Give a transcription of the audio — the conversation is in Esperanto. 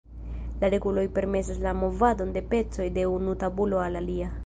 La reguloj permesas la movadon de pecoj de unu tabulo al alia.